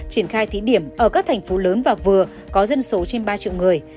triển khai thí điểm ở các thành phố lớn và vừa có dân số trên ba triệu người